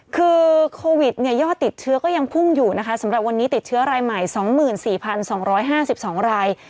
คือโควิดเนี่ยย่อติดเชื้อก็ยังพุ่งอยู่นะคะสำหรับวันนี้ติดเชื้อรายใหม่สองหมื่นสี่พันสองร้อยห้าสิบสองราย